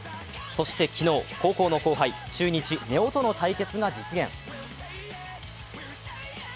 そして、昨日、高校の後輩中日・根尾との対決が実現。